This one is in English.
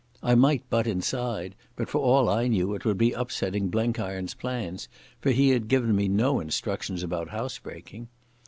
I might butt inside, but for all I knew it would be upsetting Blenkiron's plans, for he had given me no instructions about housebreaking.